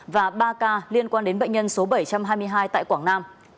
và ba ca liên quan đến bệnh nhân số bảy trăm hai mươi hai tại quảng nam